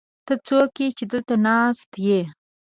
ته څوک يې، چې دلته ناست يې؟